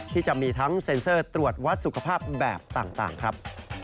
ที่จะมีทั้งเซ็นเซอร์ตรวจวัดสุขภาพแบบต่างครับ